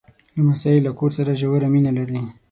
لمسی له کور سره ژوره مینه لري.